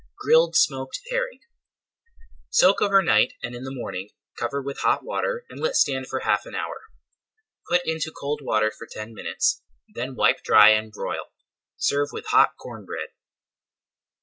GRILLED SMOKED HERRING Soak over night and in the morning cover with hot water and let stand for half an hour. Put into cold water for ten minutes, then wipe dry and broil. Serve with hot corn bread.